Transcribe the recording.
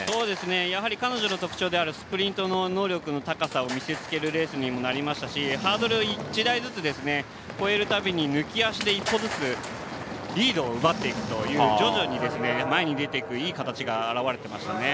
やはり彼女の特徴であるスプリントの高さを見せつけるレースになりましたしハードル１台ずつ越えるたびに抜き足で一歩ずつリードを奪っていくという徐々に、前に出ていくいい形が表れていましたね。